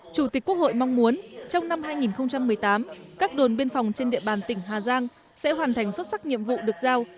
chủ tịch quốc hội mong muốn trong năm hai nghìn một mươi tám các đồn biên phòng trên địa bàn tỉnh hà giang sẽ hoàn thành xuất sắc nhiệm vụ được giao